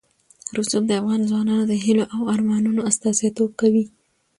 رسوب د افغان ځوانانو د هیلو او ارمانونو استازیتوب کوي.